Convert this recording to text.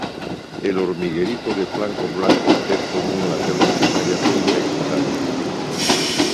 El hormiguerito de flancos blancos es común en las selvas primarias y secundarias.